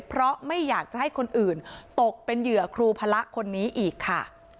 เพราะไม่อยากจะให้คนอื่นตกเป็นเหยื่อครูพระคนนี้อีกค่ะ